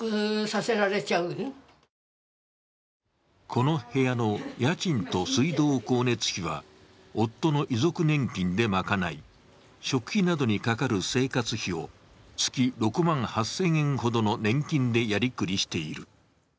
この部屋の家賃と水道光熱費は、夫の遺族年金で賄い、食費などにかかる生活費を月６万８０００円ほどの年金でやりくりしている。